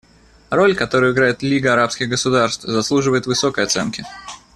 Роль, которую играет Лига арабских государств, заслуживает высокой оценки.